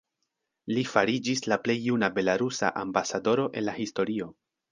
Li fariĝis la plej juna belarusa Ambasadoro en la historio.